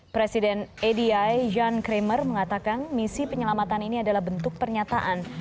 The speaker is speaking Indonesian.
presiden adi jan cramer mengatakan misi penyelamatan ini adalah bentuk pernyataan